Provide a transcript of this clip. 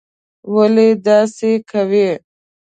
ولي داسې کوې?